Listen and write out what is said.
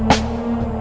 membuat kamu merasa aneh